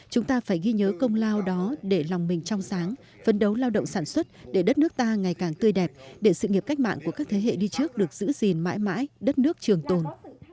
chúng ta phải ghi nhớ công lao đó để lòng mình trong sáng phấn đấu lao động sản xuất để đất nước ta ngày càng tươi đẹp để sự nghiệp cách mạng của các thế hệ đi trước được giữ gìn mãi mãi đất nước trường tồn